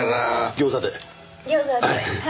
餃子ですね。